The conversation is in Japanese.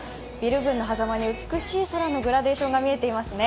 ビル群の狭間に美しい空のグラデーションが見えていますね。